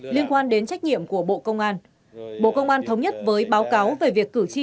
liên quan đến trách nhiệm của bộ công an bộ công an thống nhất với báo cáo về việc cử tri